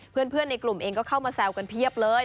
เพื่อนในกลุ่มเองก็เข้ามาแซวกันเพียบเลย